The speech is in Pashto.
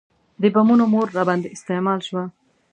د بمونو مور راباندې استعمال شوه.